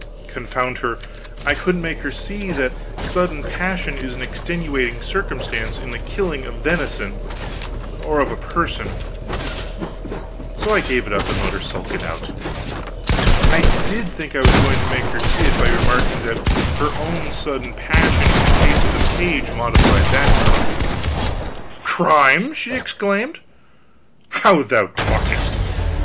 Confound her, I couldn't make her see that sudden passion is an extenuating circumstance in the killing of venison or of a person so I gave it up and let her sulk it out. I did think I was going to make her see it by remarking that her own sudden passion in the case of the page modified that crime. "Crime!" she exclaimed. "How thou talkest!